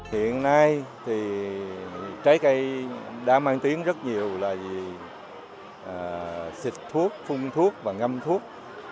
hiện nay thì trái cây đã mang tiếng rất nhiều là vì xịt thuốc phun thuốc và ngâm thuốc